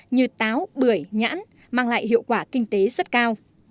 như táo bưởi nhãn mang lại hiệu quả kinh tế rất cao